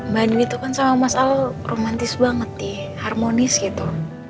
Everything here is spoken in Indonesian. banding itu kan sama mas al romantis banget nih harmonis gitu